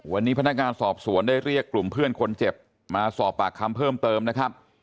วันนี้พนักงานสอบสวนได้เรียกกลุ่มเพื่อนคนเจ็บมาสอบปากคำเพิ่มเติมนะครับ